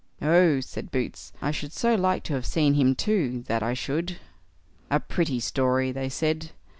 "Oh!" said Boots, "I should so like to have seen him too, that I should." "A pretty story", they said.